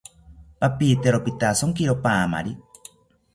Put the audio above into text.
Papitero pitajonkiro paamari